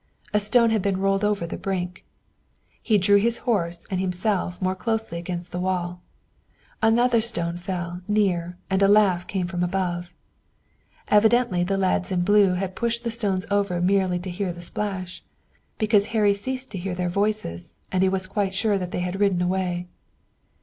A stone had been rolled over the brink. He drew his horse and himself more closely against the wall. Another stone fell near and a laugh came from above. Evidently the lads in blue had pushed the stones over merely to hear the splash, because Harry ceased to hear the voices and he was quite sure that they had ridden away.